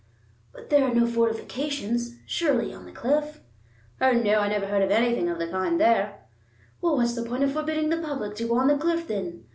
"But there are no fortifications, surely, on the cliff?" "Oh, no; I never heard of anything of the kind there." "Well, what's the point of forbidding the public to go on the cliff, then?